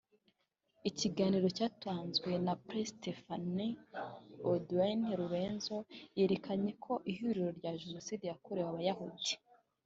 Ikiganiro cyatanzwe na Pr Stéphane Audoin-Rouzeau yerekanye ko ihuriro rya Jenoside yakorewe Abayahudi